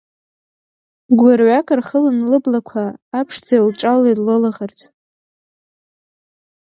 Гәырҩак рхылан лыблақәа, аԥшӡа илҿалеит лылаӷырӡ…